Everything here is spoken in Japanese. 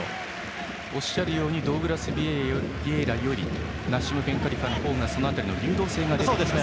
おっしゃるようにドウグラス・ヴィエイラよりナッシム・ベンカリファの方がその辺りの流動性が出ています。